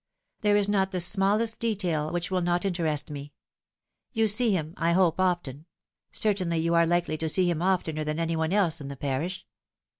There is not the smallest detail which will not interest me. You see him, I hope, often ; certainly you are likely to see him oftener than any one else in the parish.